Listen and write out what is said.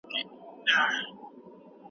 د قدرت اصطلاح په ډېرو تعريفونو کي ياده سوې ده.